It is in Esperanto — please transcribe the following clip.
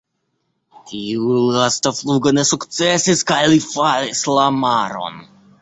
Tiu lasta flugo ne sukcesis kaj li falis la maron.